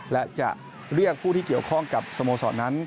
และจะเรียกผู้ที่เกี่ยวข้องกับสโมสรนั้น